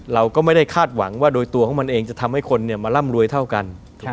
เราก็ไม่ได้คาดหวังว่าโดยตัวของมันเองจะทำให้คนมาร่ำรวยเท่ากัน